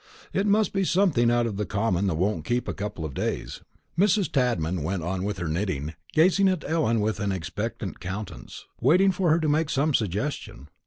It must be something out of the common that won't keep a couple of days." Mrs. Tadman went on with her knitting, gazing at Ellen with an expectant countenance, waiting for her to make some suggestion.